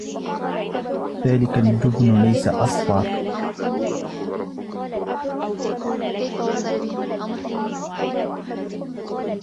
ذلك الجبن ليس أصفرا.